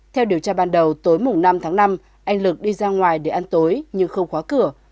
theo điều tra ban đầu tối mùng năm tháng năm anh lực đi ra ngoài để ăn tối nhưng không khóa cửa